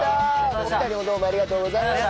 お二人もどうもありがとうございました。